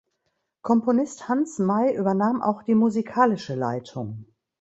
Komponist Hans May übernahm auch die musikalische Leitung.